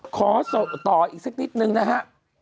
ขอต่ออีกสักนิดนึงนะฮะ